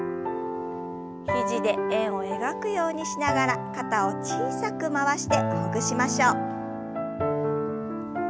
肘で円を描くようにしながら肩を小さく回してほぐしましょう。